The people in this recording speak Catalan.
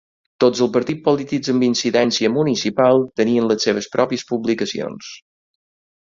Tots els partits polítics amb incidència municipal tenien les seves pròpies publicacions.